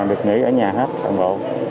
được nghỉ ở nhà hết toàn bộ